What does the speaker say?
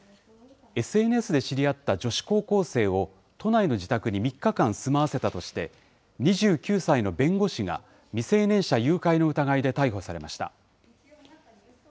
ＳＮＳで知り合った女子高校生を、都内の自宅に３日間住まわせたとして、２９歳の弁護士が未成年者誘拐の疑いで逮捕されました。